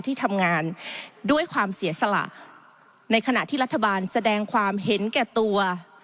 ที่ทำงานด้วยความเสียสละในขณะที่รัฐบาลแสดงความเห็นแก่ตัว